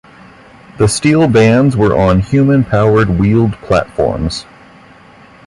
The steel bands were on human-powered wheeled platforms.